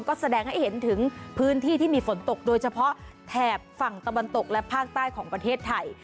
ก็แสดงให้เห็นถึงพื้นที่ที่มีฝนตกโดยเฉพาะแถบฝั่งตะวันตกและภาคใต้ของประเทศไทย